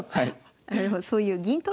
なるほど。